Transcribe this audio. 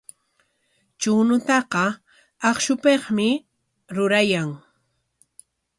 Chuñutaqa akshupikmi rurayan.